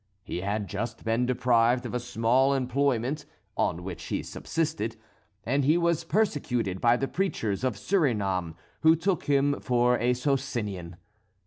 He had just been deprived of a small employment, on which he subsisted; and he was persecuted by the preachers of Surinam, who took him for a Socinian.